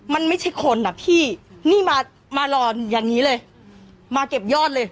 มันไม่ใช่คนอ่ะพี่นี่มามารออย่างนี้เลยมาเก็บยอดเลย